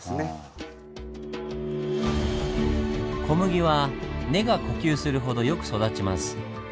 小麦は根が呼吸するほどよく育ちます。